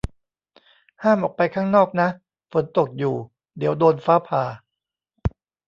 ห้ามออกไปข้างนอกนะ ฝนตกอยู่ เดี๋ยวโดนฟ้าผ่า